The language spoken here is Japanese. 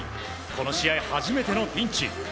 この試合初めてのピンチ。